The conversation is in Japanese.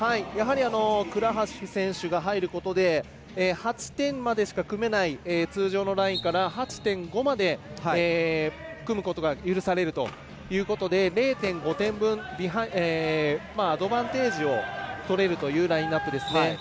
倉橋選手が入ることで８点までしか組めない通常のラインから８．５まで組むことが許されるということで０．５点分アドバンテージを取れるというラインアップですね。